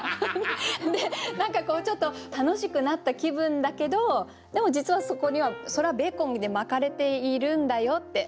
何かこうちょっと楽しくなった気分だけどでも実はそこにはそれはベーコンで巻かれているんだよって。